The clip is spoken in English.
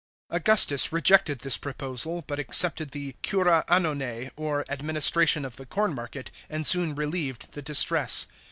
Augustus rejected this proposal, but accepted the cura annonee, or " administration of the corn market," and soon relieved the distress.